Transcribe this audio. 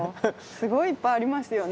すごいいっぱいありますよね。